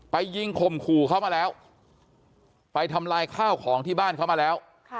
ยิงข่มขู่เขามาแล้วไปทำลายข้าวของที่บ้านเขามาแล้ว